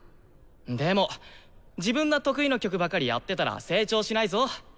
でも自分の得意な曲ばかりやってたら成長しないぞ。